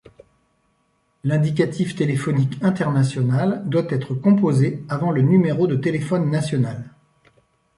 L'indicatif téléphonique international doit être composé avant le numéro de téléphone national.